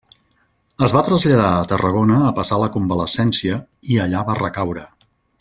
Es va traslladar a Tarragona a passar la convalescència, i allà va recaure.